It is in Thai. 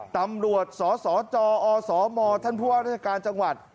ตำรวจสสจอสมท่านผู้ว่าราชการจังหวัด